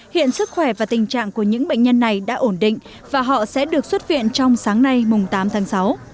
hiện sức khỏe và tình trạng của những bệnh nhân này đã ổn định và họ sẽ được xuất viện trong sáng nay mùng tám tháng sáu